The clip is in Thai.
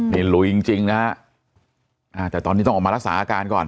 นี่หลุยจริงนะฮะแต่ตอนนี้ต้องออกมารักษาอาการก่อน